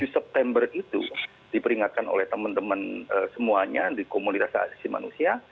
tujuh september itu diperingatkan oleh teman teman semuanya di komunitas hak asasi manusia